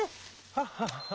アハハハハ。